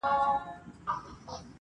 سړی چي مړسي ارمانونه يې دلېپاتهسي,